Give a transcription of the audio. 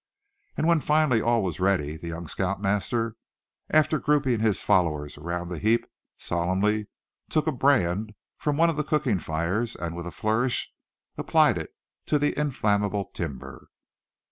And when finally all was ready, the young scout master after grouping his followers around the heap, solemnly took a brand from one of the cooking fires, and with a flourish applied it to the inflammable tinder.